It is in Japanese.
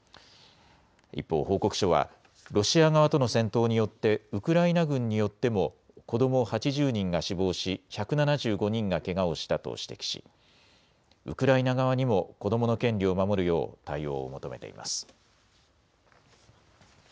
一方、報告書はロシア側との戦闘によってウクライナ軍によっても子ども８０人が死亡し１７５人がけがをしたと指摘し、ウクライナ側にも子どもの権利を守るよう対応を求めています。